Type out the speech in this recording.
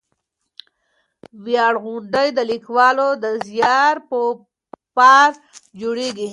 ویاړ غونډې د لیکوالو د زیار په پار جوړېږي.